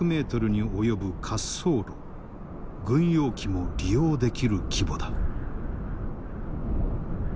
軍用機も利用できる規模だ。